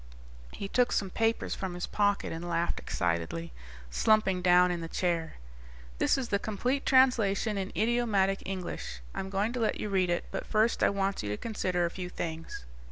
He took some papers from his pocket and laughed excitedly, slumping down in the chair. "This is the complete translation in idiomatic English. I'm going to let you read it, but first I want you to consider a few things."